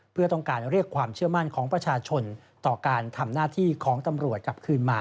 เพื่อต้องการเรียกความเชื่อมั่นของประชาชนต่อการทำหน้าที่ของตำรวจกลับคืนมา